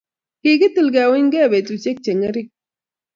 Kikitil keunykei betusiek che ngering